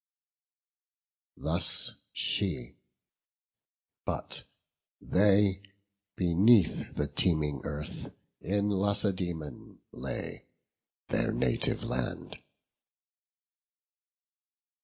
Thus she; but they beneath the teeming earth In Lacedaemon lay, their native land.